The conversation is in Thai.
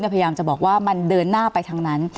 พยายามจะบอกว่ามันเดินหน้าไปทางนั้น